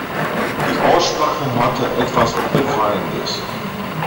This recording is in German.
Die Aussprache hatte etwas Befreiendes.